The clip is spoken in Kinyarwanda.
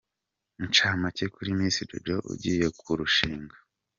Incamake kuri Miss Jojo ugiye kurushinga.